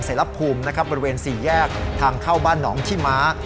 รับภูมินะครับบริเวณสี่แยกทางเข้าบ้านหนองชีม้า